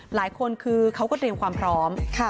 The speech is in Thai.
หลายคนคือเขาก็เตรียมความพร้อม